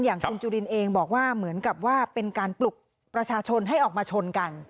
อย่างคุณจุลินเองบอกว่าเหมือนกับว่าเป็นการปลุกประชาชนให้ออกมาชนกัน